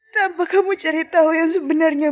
tanpa kamu cari tahu yang sebenarnya